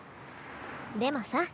でもさ。